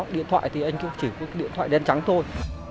điện thoại thì anh cũng chỉ có điện thoại đen trắng thôi